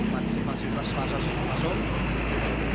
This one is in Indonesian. bersih bersih pasang pasang langsung